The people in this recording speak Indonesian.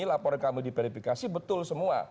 laporan kami diperifikasi betul semua